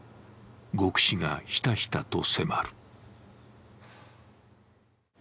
獄死がひたひたと迫る。